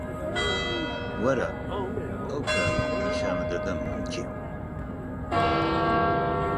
وەرە، ئەو کات نیشانت دەدەم من کێم.